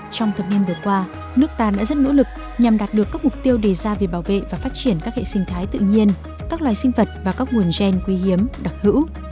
trong thập niên vừa qua nước ta đã rất nỗ lực nhằm đạt được các mục tiêu đề ra về bảo vệ và phát triển các hệ sinh thái tự nhiên các loài sinh vật và các nguồn gen quý hiếm đặc hữu